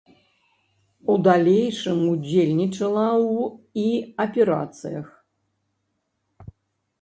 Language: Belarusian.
У далейшым ўдзельнічала ў і аперацыях.